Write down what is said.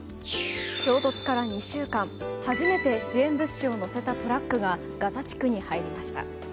衝突から２週間初めて支援物資を乗せたトラックがガザ地区に入りました。